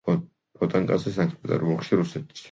ფონტანკაზე სანქტ-პეტერბურგში, რუსეთი.